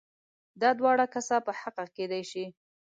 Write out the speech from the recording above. دا دواړه کسه په حقه کېدای شي؟